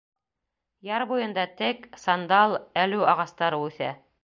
Яр буйында тек, сандал, әлү ағастары үҫә.